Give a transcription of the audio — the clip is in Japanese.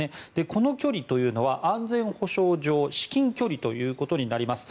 この距離というのは安全保障上至近距離となります。